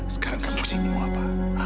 sekarang kamu sini mau apa